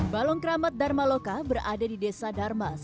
balong keramat dharma loka berada di desa darmas